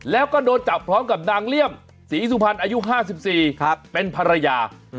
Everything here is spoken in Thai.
แล้วก็โดนจับพร้อมกับนางเลี่ยมศรีสุพรรณอายุ๕๔เป็นภรรยา